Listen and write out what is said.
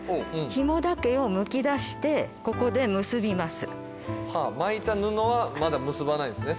紐だけをむきだしてここで結びます巻いた布はまだ結ばないんですね